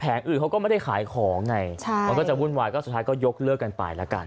อื่นเขาก็ไม่ได้ขายของไงใช่มันก็จะวุ่นวายก็สุดท้ายก็ยกเลิกกันไปแล้วกัน